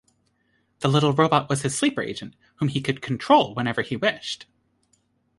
The little robot was his sleeper agent, whom he could control whenever he wished.